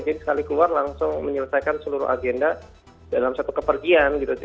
jadi sekali keluar langsung menyelesaikan seluruh agenda dalam satu kepergian gitu